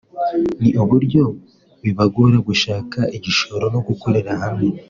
ni uburyo bibagora gushaka igishoro no gukorera hamwe